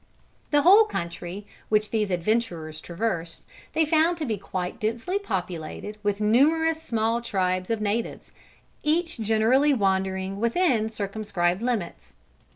The whole country which these adventurers traversed, they found to be quite densely populated with numerous small tribes of natives, each generally wandering within circumscribed limits.